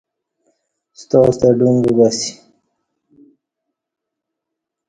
ستا ستہ اہ ڈون جُوک اسی۔